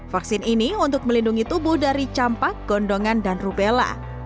vaksin ini untuk melindungi tubuh dari campak gondongan dan rubella